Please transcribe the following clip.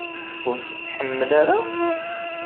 Ur tt-tḥemmel ara?